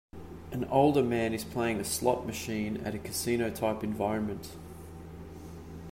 And older man is playing a slot machine at a casino type environment.